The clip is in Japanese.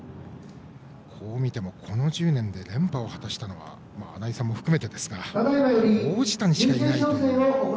こう見ても、この１０年で連覇を果たしたのは穴井さんも含めてですが王子谷しかいないという。